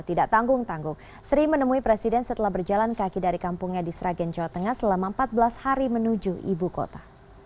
tidak tanggung tanggung sri menemui presiden setelah berjalan kaki dari kampungnya di sragen jawa tengah selama empat belas hari menuju ibu kota